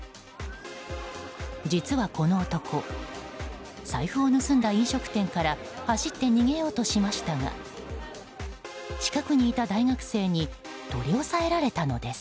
実はこの男財布を盗んだ飲食店から走って逃げようとしましたが近くにいた大学生に取り押さえられたのです。